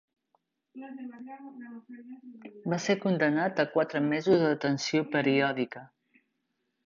Va ser condemnat a quatre mesos de detenció periòdica.